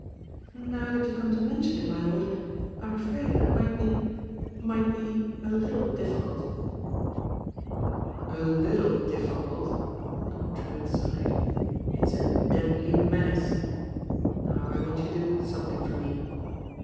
"Now that you come to mention it, my lord, I'm afraid that it might be— might be a little difficult." A little difficult," Lord Drewitt sighed. "It's a deadly menace. Now I want you to do somethine for me."